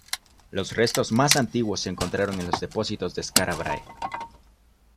Los restos más antiguos se encontraron en los depósitos de Skara Brae.